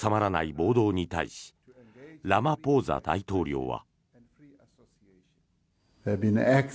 暴動に対しラマポーザ大統領は。